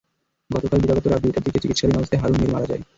গতকাল দিবাগত রাত দুইটার দিকে চিকিৎসাধীন অবস্থায় হারুন মীর মারা যায়।